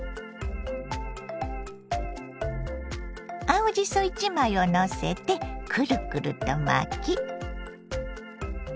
青じそ１枚をのせてクルクルと巻き。